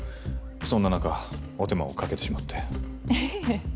そんな中お手間をかけてしまっていいえ